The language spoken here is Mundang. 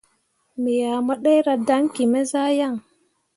Me ah mu ɗerah daŋki me zah yan.